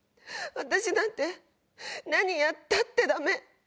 私なんて何やったってダメ。